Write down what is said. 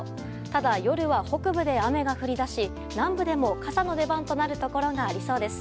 ただ、夜は北部で雨が降り出し南部でも、傘の出番となるところがありそうです。